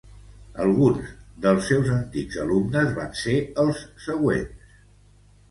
Alguns dels seus antics alumnes van ser els següents.